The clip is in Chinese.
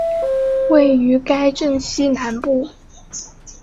位于该镇西南部。